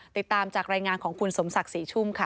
ติดตามจากรายงานของคุณสมศักดิ์ศรีชุ่มค่ะ